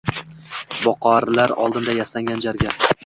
Boqarlar oldinda yastangan jarga.